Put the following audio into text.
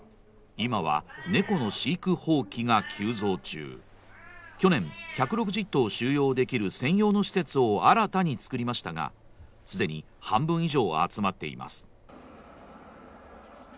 今は猫の飼育放棄が急増中去年１６０頭収容できる専用の施設を新たに作りましたが、既に半分以上は集まっています。